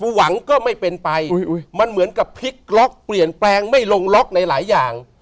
หวังก็ไม่เป็นไปมันเหมือนกับพลิกล็อกเปลี่ยนแปลงไม่ลงล็อกในหลายอย่าง